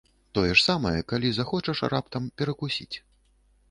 Тое ж самае, калі захочаш раптам перакусіць.